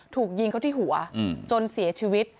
ถูกยิงเขาที่หัวจนเสียชีวิต